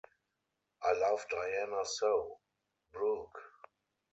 I love Diana so, Brooke.